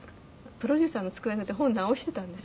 「プロデューサーの机の上で本直してたんですよ」